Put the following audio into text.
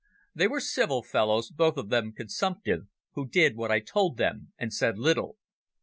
They were civil fellows, both of them consumptive, who did what I told them and said little.